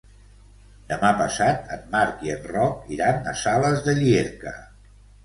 Demà passat en Marc i en Roc iran a Sales de Llierca.